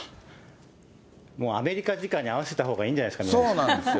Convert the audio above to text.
もうアメリカ時間に合わせたほうがいいんじゃないんですか、そうなんです。